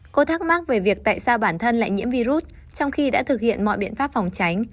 cô thắc mắc về việc tại sao bản thân lại nhiễm virus trong khi đã thực hiện mọi biện pháp phòng tránh